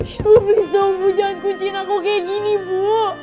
ibu tolong jangan kunciin aku kayak gini bu